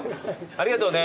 ありがとうね。